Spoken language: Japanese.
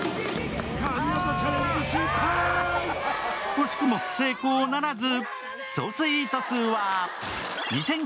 惜しくも成功ならず！